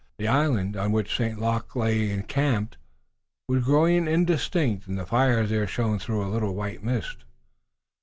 The island on which St. Luc lay encamped was growing indistinct, and the fires there shone through a white mist.